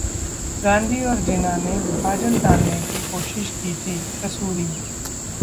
गांधी और जिन्ना ने विभाजन टालने की कोशिश की थी: कसूरी